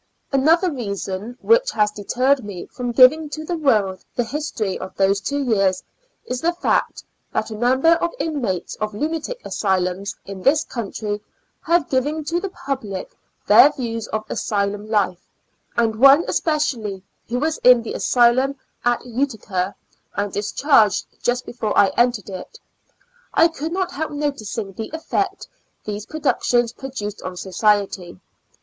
4 Preface. Another reason which has deterred me from giving to the world the history of those two years, is the fact, that a number of inmates of lunatic Asylums in this country have given to the pubUc their views of asylum hfe, and one especially, who was in the asylum at Utica, and discharged just before I entered it. I could not help noticing the effect these productions produced on society.